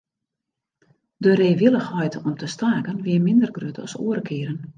De reewillichheid om te staken wie minder grut as oare kearen.